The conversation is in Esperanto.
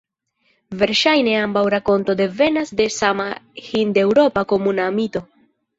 Verŝajne ambaŭ rakonto devenas de sama hindeŭropa komuna mito.